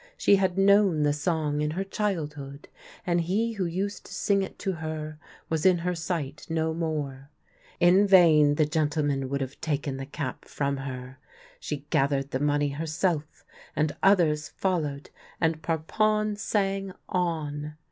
She had known the song in her childhood, and he who used to sing it to her was in her sight no more. In vain the gentlemen would have taken the cap from her; she gathered the money herself, and others followed, and Parpon sang on.